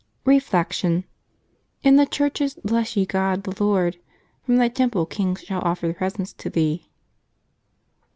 Reflection. — ^^In the churches bless ye God the Lord. From Thy temple kings shall offer presents to Thee."